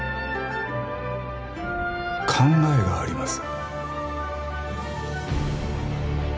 考えがあります